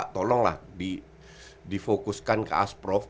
tolonglah di fokuskan ke asprof